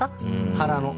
腹の。